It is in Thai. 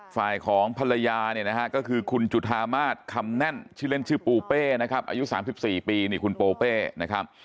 ฝ่ายของภรรยาเนี่ยนะฮะก็คือคุณจุธามาศคำแน่นชื่อเล่นชื่อปูเป้นะครับอายุ๓๔ปีนี่คุณโปเป้นะครับ